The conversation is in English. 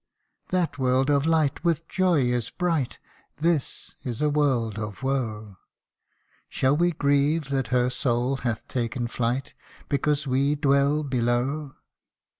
That world of light with joy is bright, This is a world of woe : Shall we grieve that her soul hath taken flight, Because we dwell below